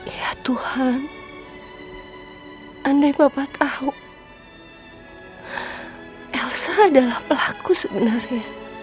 ya tuhan andai bapak tahu elsa adalah pelaku sebenarnya